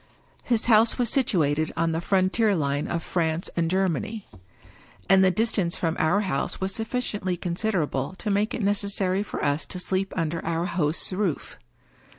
His house was situated on the frontier line of France and Germany; and the distance from our house was suf ficiently considerable to make it necessary for us to sleep under our host's roof.